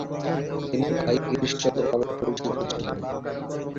তিনি ‘ভাই গিরিশচন্দ্র’ নামে পরিচিত ছিলেন।